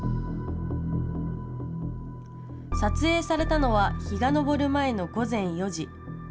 撮影されたのは日が昇る前の午前４時。